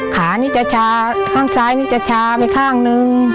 ขานี่จะชาข้างซ้ายนี่จะชาไปข้างนึง